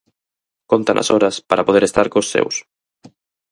Contan as horas para poder estar cos seus.